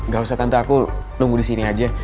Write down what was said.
gak usah tante aku nunggu disini aja